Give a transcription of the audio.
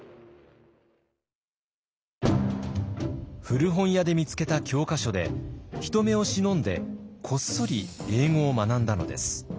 古本屋で見つけた教科書で人目を忍んでこっそり英語を学んだのです。